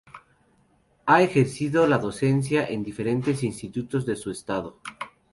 Ha ejercido la docencia en diferentes institutos de su Edo.